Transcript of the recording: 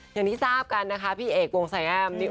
อย่างที่ทราบกันพี่เอกวงแสยแอม